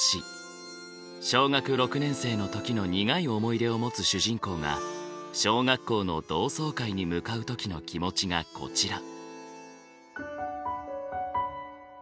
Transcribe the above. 小学６年生の時の苦い思い出を持つ主人公が小学校の同窓会に向かう時の気持ちがこちら。